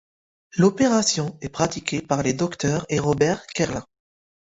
L'opération est pratiquée par les docteurs et Robert Kerlan.